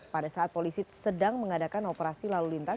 pada saat polisi sedang mengadakan operasi lalu lintas